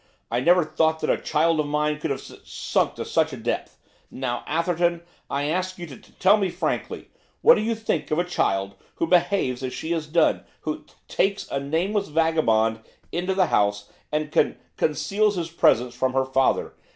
I never thought that a child of mine could have s sunk to such a depth! Now, Atherton, I ask you to t tell me frankly, what do you think of a child who behaves as she has done? who t takes a nameless vagabond into the house and con conceals his presence from her father?